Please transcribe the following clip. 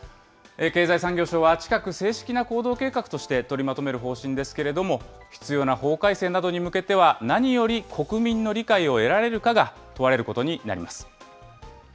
経済産業省は近く、正式な行動計画として取りまとめる方針ですけれども、必要な法改正などに向けては、何より国民の理解を得られるかが問われることになります。